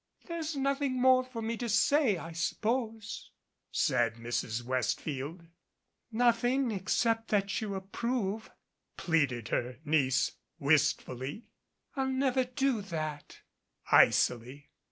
"There's nothing more for me to say, I suppose," said Mrs. Westfield. "Nothing except that you approve," pleaded her niece wistfully. 27 MADCAP "I'll never do that," icily.